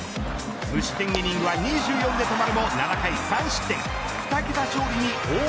無失点イニングは２４で止まるも７回３失点。